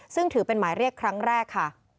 ซึ่งถือเป็นหมายเรียกครั้งแรกค่ะ